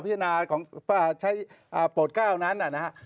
พยานาของพระเชฟโปรดเก้านั้นนั้น